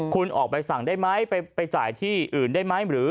คุณออกใบสั่งได้ไหมไปจ่ายที่อื่นได้ไหมหรือ